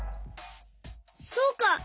そうか！